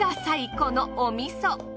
このお味噌！